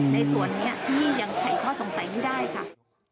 ในส่วนนี้พี่ยังใช้ข้อสงสัยไม่ได้ค่ะ